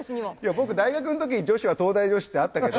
僕大学の時に女子は「東大女子」ってあったけど。